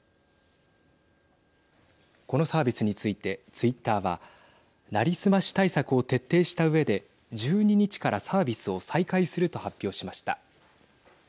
このサービスについてツイッターは成り済まし対策を徹底したうえで１２日からサービスを再開すると発表しました。